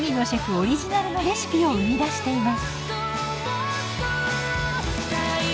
オリジナルのレシピを生み出しています。